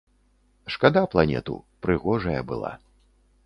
Шкада планету, прыгожая была.